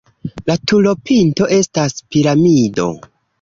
La turopinto estas piramido.